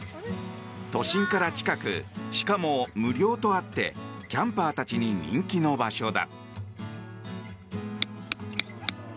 都心から近くしかも無料とあってキャンパーたちに人気の場所だ。